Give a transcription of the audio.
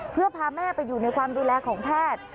เพื่อพาแม่ไปอยู่ในความดูแลของแพทย์